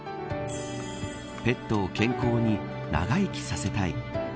ペットを健康に長生きさせたい。